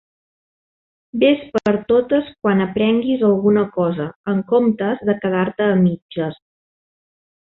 Ves per totes quan aprenguis alguna cosa, en comptes de quedar-te a mitges.